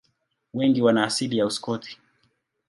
Wengi wana asili ya Uskoti.